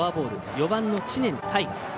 ４番の知念大河